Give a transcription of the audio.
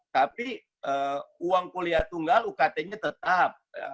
tapi uang kuliah tunggal ukt nya tetap